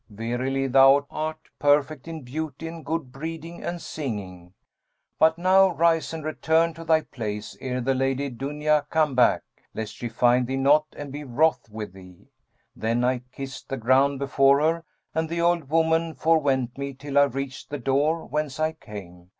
Verily, thou art perfect in beauty and good breeding and singing. But now rise and return to thy place, ere the Lady Dunya come back, lest she find thee not and be wroth with thee.' Then I kissed the ground before her and the old woman forewent me till I reached the door whence I came.